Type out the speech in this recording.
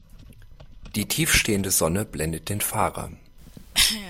Die tief stehende Sonne blendet den Fahrer.